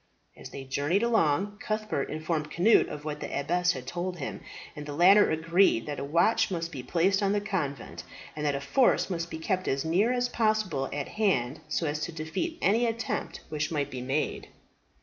As they journeyed along, Cuthbert informed Cnut of what the abbess had told him; and the latter agreed that a watch must be placed on the convent, and that a force must be kept as near as possible at hand so as to defeat any attempt which might be made.